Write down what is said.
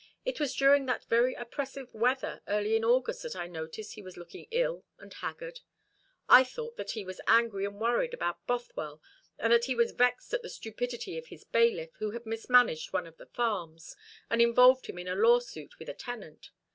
It was during that very oppressive weather early in August that I noticed he was looking ill and haggard. I thought that he was angry and worried about Bothwell, and that he was vexed at the stupidity of his bailiff, who had mismanaged one of the farms, and involved him in a law suit with a tenant.